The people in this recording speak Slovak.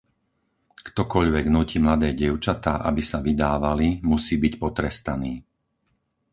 Ktokoľvek núti mladé dievčatá, aby sa vydávali musí byť potrestaný.